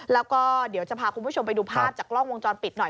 แล้วก็เดี๋ยวจะพาคุณผู้ชมไปดูภาพจากกล้องวงจรปิดหน่อย